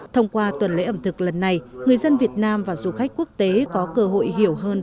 thông qua tuần lễ ẩm thực lần này người dân việt nam và du khách quốc tế có cơ hội hiểu hơn